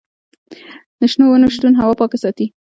د شنو ونو شتون هوا پاکه ساتي.